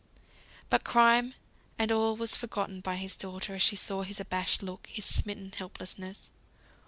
But crime and all was forgotten by his daughter, as she saw his abashed look, his smitten helplessness.